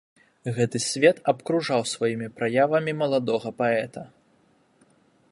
Гэты свет абкружаў сваімі праявамі маладога паэта.